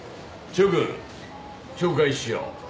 諸君紹介しよう。